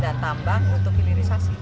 dan tambang untuk holdingisasi